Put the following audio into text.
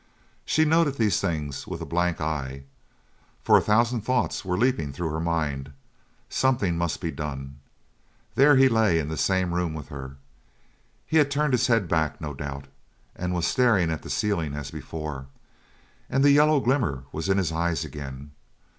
She noted these things with a blank eye, for a thousand thoughts were leaping through her mind. Something must be done. There he lay in the same room with her. He had turned his head back, no doubt, and was staring at the ceiling as before, and the yellow glimmer was in his eyes again.